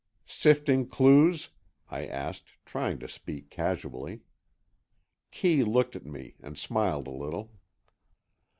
"Sifting clues?" I asked, trying to speak casually. Kee looked at me, and smiled a little.